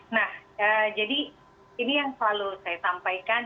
nah jadi ini yang selalu saya sampaikan